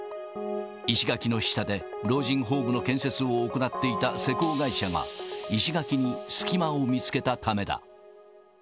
石垣の下で、老人ホームの建設を行っていた施工会社が、石垣に隙間を見つけたためだ。